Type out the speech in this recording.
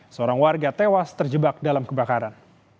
seorang warga tewas terjebak dalam kebakaran